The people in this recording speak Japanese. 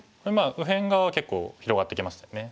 右辺側は結構広がってきましたよね。